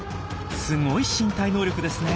すごい身体能力ですね。